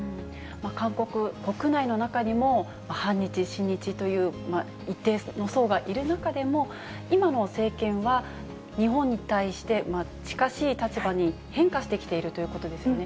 韓国国内の中にも、反日、親日という一定の層がいる中でも、今の政権は、日本に対して近しい立場に変化してきているということですよね。